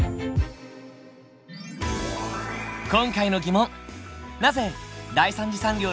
今回の疑問。